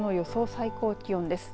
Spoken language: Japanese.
最高気温です。